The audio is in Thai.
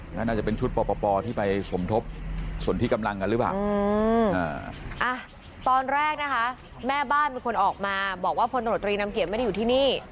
น่าจะเป็นชุดปปที่ไปสมทบส่วนที่กำลังกันหรือเปล่าตอนแรกนะคะแม่บ้านเป็นคนออกมาบอกว่าพลตรวจตรีนำเกียจไม่ได้อยู่ที่นี่